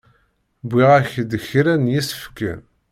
Wwiɣ-ak-d kra n yisefken.